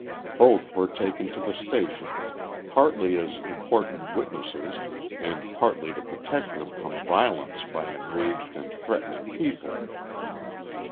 Both were taken to tlie station, partly as important witnesses and partly to protect them from violence by enraged and threatening people."